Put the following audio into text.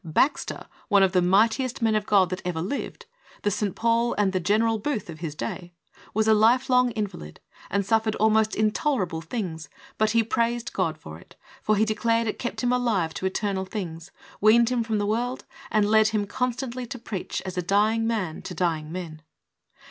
Baxter, one of the mightiest men of God that ever lived, the St. Paul and the General Booth of his day, was a life long invalid and suf fered almost intolerable things, but he praised God for it, for he declared it kept him alive to eternal things, weaned him from the world and led him constantly to "preach as a dying man to dying men."